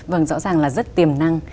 vâng rõ ràng là rất tiềm năng